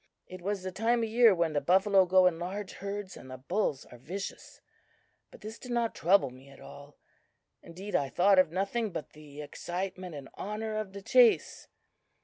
"It was the time of year when the buffalo go in large herds and the bulls are vicious. But this did not trouble me at all; indeed, I thought of nothing but the excitement and honor of the chase.